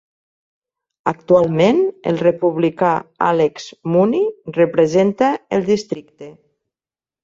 Actualment, el republicà Alex Mooney representa el districte.